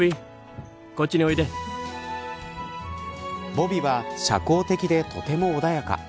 ボビは社交的でとても穏やか。